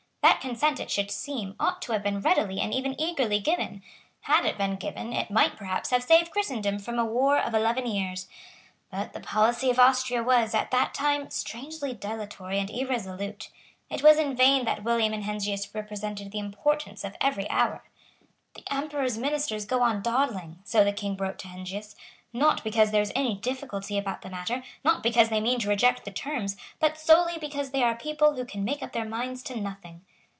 That consent, it should seem, ought to have been readily and even eagerly given. Had it been given, it might perhaps have saved Christendom from a war of eleven years. But the policy of Austria was, at that time, strangely dilatory and irresolute. It was in vain that William and Heinsius represented the importance of every hour. "The Emperor's ministers go on dawdling," so the King wrote to Heinsius, "not because there is any difficulty about the matter, not because they mean to reject the terms, but solely because they are people who can make up their minds to nothing."